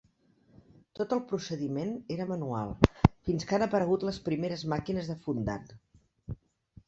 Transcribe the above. Tot el procediment era manual fins que han aparegut les primeres màquines de fondant.